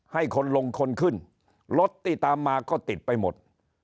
ให้คนลงคนขึ้นรถที่ตามมาก็ติดไปหมด